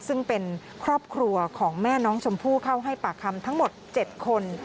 ซึ่งเป็นครอบครัวของแม่น้องชมพู่เข้าให้ปากคำทั้งหมด๗คน